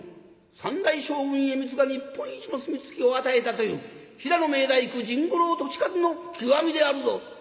三代将軍家光が日本一のお墨付きを与えたという飛騨の名大工甚五郎利勝の極みであるぞ。